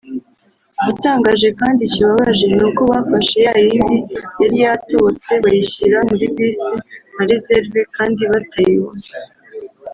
Igitangaje kandi kibabaje ni uko bafashe yayindi yari yatobotse bayishyira muri Bus nka reserve kandi batayihomye